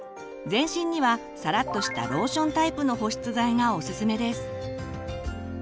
全身にはさらっとしたローションタイプの保湿剤がおすすめです。